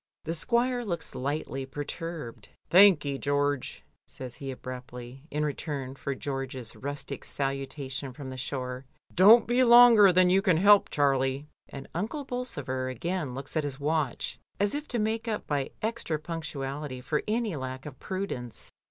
The squire looks lightly perturbed. "Thank ye, George," says he abruptly, in return for George's rustic salutation from the shore. "Don't be longer than you can help, Charlie," and Uncle Bolsover again looks at his watch, as if to make up by extra punctuality for any lack of prudence.